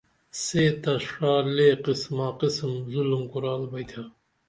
سے تس ڜا لے قسما قسمہ ظُلُم کُرال بئیتھا